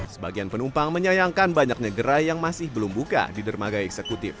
sebagian penumpang menyayangkan banyaknya gerai yang masih belum buka di dermaga eksekutif